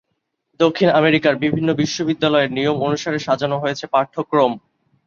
দক্ষিণ আমেরিকার বিভিন্ন বিশ্ববিদ্যালয়ের নিয়ম অনুসারে সাজানো হয়েছে পাঠ্যক্রম।